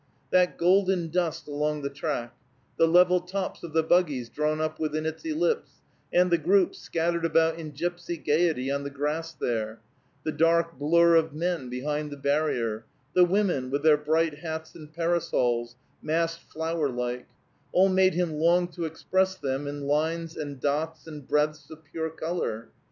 That golden dust along the track; the level tops of the buggies drawn up within its ellipse, and the groups scattered about in gypsy gayety on the grass there; the dark blur of men behind the barrier; the women, with their bright hats and parasols, massed flower like, all made him long to express them in lines and dots and breadths of pure color.